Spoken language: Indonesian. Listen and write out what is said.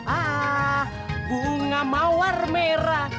ah bunga mawar merah